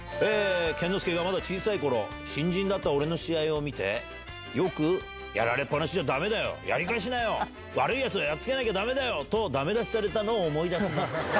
健之介がまだ小さいころ、新人だった俺の試合を見て、よく、やられっぱなしじゃだめだよ、やり返しなよ、悪いやつをやっつけなきゃだめだよと、だめ出しされたのを思い出します。